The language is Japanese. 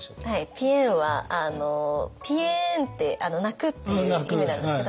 「ぴえん」はぴえんって泣くっていう意味なんですけど。